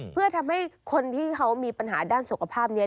เพื่อทำให้คนที่เขามีปัญหาด้านสุขภาพนี้